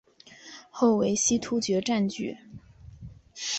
后为西突厥占据。